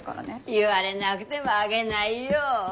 言われなくてもあげないよ。